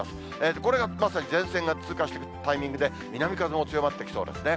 これがまさに前線が通過してしていくタイミングで、南風も強まってきそうですね。